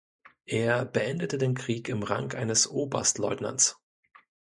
Er beendete den Krieg im Rang eines Oberstleutnants.